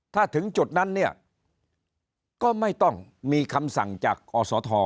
ถ้าถึงจุดนั้นเนี่ยก็ไม่ต้องมีคำสั่งจากอศท